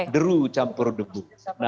deru campur debu